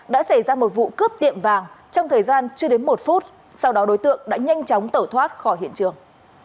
đã xảy ra một vụ cướp tiệm vàng trong thời gian chưa đến một phút sau đó đối tượng đã nhanh chóng tẩu thoát khỏi hiện trường